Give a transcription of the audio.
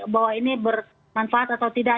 bahwa ini bermanfaat atau tidak